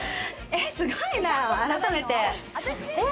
すごいな、改めて。